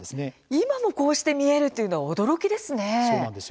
今もこうして見えるというのは驚きですね！